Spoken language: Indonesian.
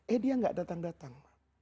eh dia gak datang datang